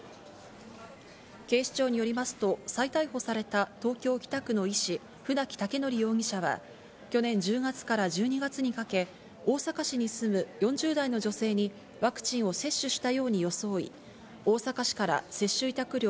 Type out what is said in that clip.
警視庁によりますと、再逮捕された東京・北区の医師、船木威徳容疑者は、去年１０月から１２月にかけ、大阪市に住む４０代の女性にワクチンを接種したように装い、大阪市から接種委託料